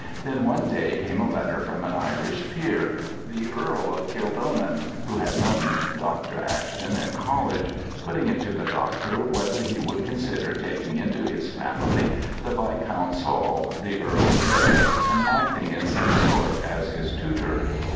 Then one day came a letter from an Irish peer, the Earl of Kildonan (who had known Dr. Ashton at college), putting it to the doctor whether he would consider taking into his family the Viscount Saul, the Earl's heir, and acting in some sort as his tutor.